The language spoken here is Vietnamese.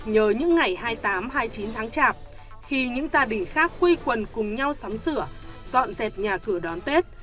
nhờ những ngày hai mươi tám hai mươi chín tháng chạp khi những gia đình khác quây quần cùng nhau sắm sửa dọn dẹp nhà cửa đón tết